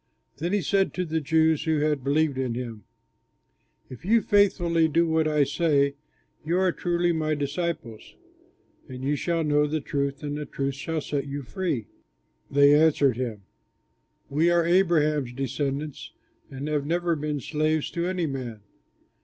Then he said to the Jews who had believed in him, "If you faithfully do what I say, you are truly my disciples, and you shall know the truth and the truth shall set you free." They answered him, "We are Abraham's descendants and have never been slaves to any man.